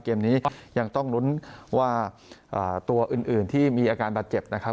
เกมนี้ยังต้องลุ้นว่าตัวอื่นที่มีอาการบาดเจ็บนะครับ